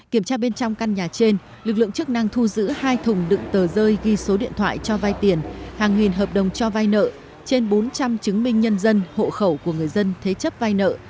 kiểm tra bên trong căn nhà trên lực lượng chức năng thu giữ hai thùng đựng tờ rơi ghi số điện thoại cho vai tiền hàng nghìn hợp đồng cho vai nợ trên bốn trăm linh chứng minh nhân dân hộ khẩu của người dân thế chấp vay nợ